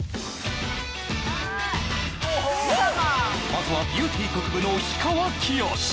まずはビューティーこくぶの氷川きよし